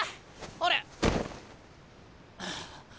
あれ？